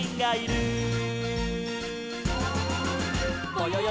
「ぼよよ